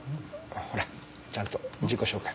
ほらちゃんと自己紹介。